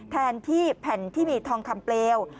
แทนที่แผ่นที่มีทองคำเปลว